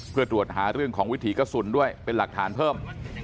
เพื่อตรวจหาเรื่องของวิถีกระสุนด้วยเป็นหลักฐานเพิ่ม